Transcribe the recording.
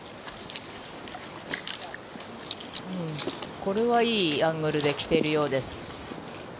これはいいアングルできているようです。